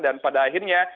dan pada akhirnya